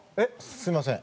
すみません。